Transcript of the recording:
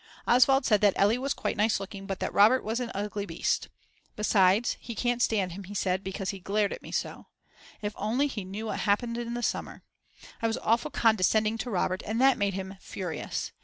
Oswald said that Elli was quite nice looking but that Robert was an ugly beast. Besides, he can't stand him he said, because he glared at me so. If only he knew what happened in the summer! I was awfully condescending to Robert and that made him furious.